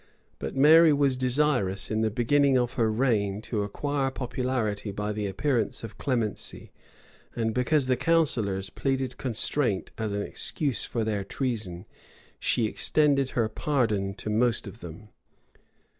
But Mary was desirous, in the beginning of her reign, to acquire popularity by the appearance of clemency; and because the counsellors pleaded constraint as an excuse for their treason, she extended her pardon to most of them.